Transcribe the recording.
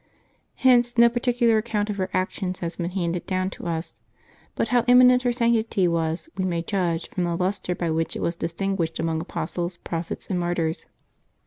Hence no particular account of her actions has been handed down to us. But how eminent her sanctity was we may judge from the lustre by which it was distinguished among apostles, prophets, and martyrs.